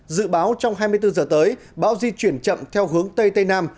dự báo trong hai mươi bốn h tới báo di chuyển chậm theo hướng tây tây nam